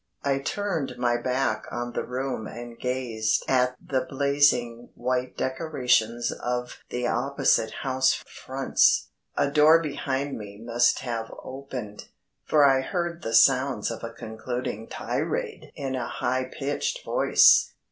I turned my back on the room and gazed at the blazing white decorations of the opposite house fronts. A door behind me must have opened, for I heard the sounds of a concluding tirade in a high pitched voice.